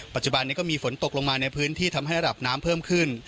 ปัจจุบันนี้ก็มีฝนตกลงมาในพื้นที่ทำให้ระดับน้ำเพิ่มขึ้น